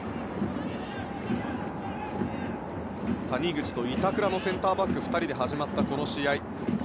谷口と板倉のセンターバック２人で始まったこの試合。